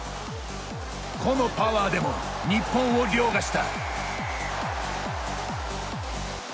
個のパワーでも日本を、りょうがした。